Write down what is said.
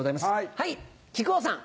はい木久扇さん。